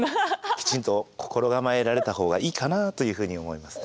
きちんと心構えられた方がいいかなというふうに思いますね。